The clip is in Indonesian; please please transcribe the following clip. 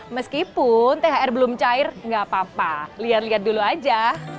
meskipun thr belum cair nggak apa apa lihat lihat dulu aja